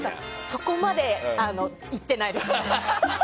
そこまでいってないです。